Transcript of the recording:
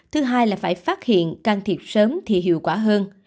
thứ hai là phải phát hiện can thiệp sớm thì hiệu quả hơn